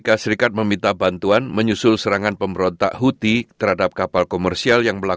dan orang orang yang berusaha berusaha berusaha berusaha berusaha